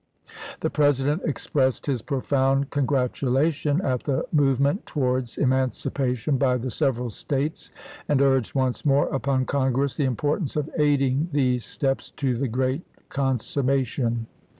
The President expressed his profound con gratulation at the movement towards emancipa tion by the several States, and urged once more upon Congress the importance of aiding these steps to the great consummation.